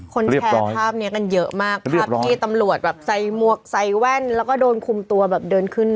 แชร์ภาพนี้กันเยอะมากภาพที่ตำรวจแบบใส่มวกใส่แว่นแล้วก็โดนคุมตัวแบบเดินขึ้น